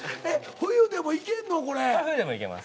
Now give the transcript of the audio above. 冬でもいけます。